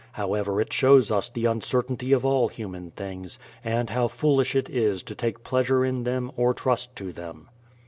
However, it shows us the uncertainty of all human things, and how foolish it is to take pleasure in them or trust to them.